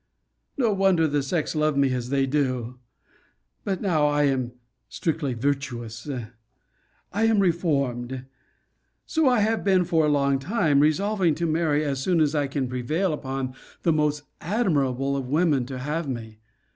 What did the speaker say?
No wonder the sex love me as they do! But now I am strictly virtuous. I am reformed. So I have been for a long time, resolving to marry as soon as I can prevail upon the most admirable of women to have me.